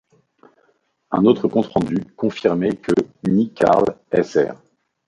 Un autre compte-rendu confirmait que ni Carl Sr.